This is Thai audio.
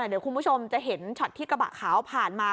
เดี๋ยวคุณผู้ชมจะเห็นช็อตที่กระบะขาวผ่านมา